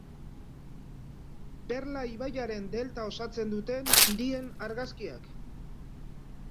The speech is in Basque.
Perla ibaiaren delta osatzen duten hirien argazkiak.